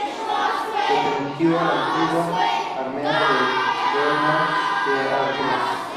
Perteneció a la antigua Hermandad de Bernesga de Arriba.